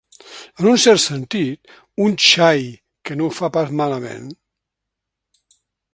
En un cert sentit, un xai que no ho fa pas malament.